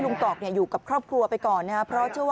นั่งเฉยนั่งเฉย